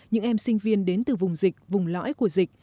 những em sinh viên đến từ vùng dịch vùng lõi của dịch